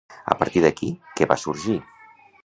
A partir d'aquí, què va sorgir?